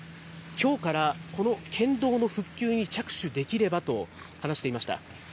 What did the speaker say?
きょうからこの県道の復旧に着手できればと話していました。